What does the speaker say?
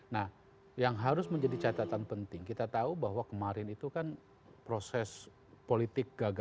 nah yang harus menjadi catatan penting kita tahu bahwa kemarin itu kan proses politik gagasan